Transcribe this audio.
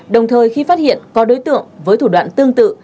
đồng thời khi phát hiện có đối tượng với thủ đoạn tương tự